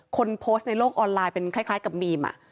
คนโพสต์ในโลกออนไลน์เป็นคล้ายกับบีม